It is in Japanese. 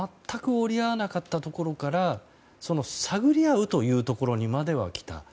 全く折り合わなかったところから探り合うというところにまではきた。